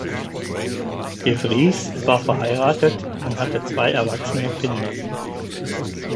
De Vries war verheiratet und hatte zwei erwachsene Kinder.